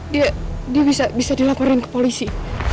dia bisa dilaporin ke polisi